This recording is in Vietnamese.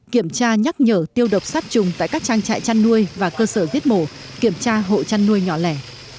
kiểm tra nhắc nhở tiêu độc sát trùng tại các trang trại chăn nuôi và cơ sở giết mổ kiểm tra hộ chăn nuôi nhỏ lẻ